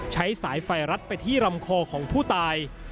ใช้สายไฟรัดไปที่ลำคอของผู้ตาย